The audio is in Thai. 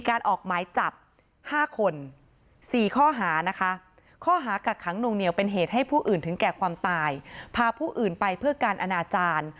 ครอบครัวไม่ได้อาฆาตแต่มองว่ามันช้าเกินไปแล้วที่จะมาแสดงความรู้สึกในตอนนี้